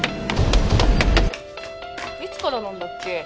いつからなんだっけ？